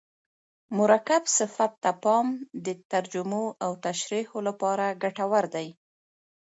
مرکب صفت ته پام د ترجمو او تشریحو له پاره ګټور دئ.